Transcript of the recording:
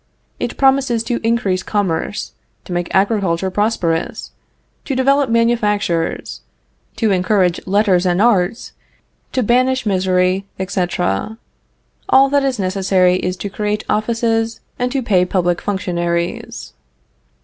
It promises to increase commerce, to make agriculture prosperous, to develop manufactures, to encourage letters and arts, to banish misery, etc. All that is necessary is to create offices and to pay public functionaries.